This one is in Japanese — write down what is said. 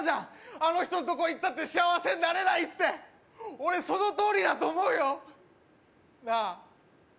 あの人んとこ行ったって幸せになれないって俺そのとおりだと思うよなあ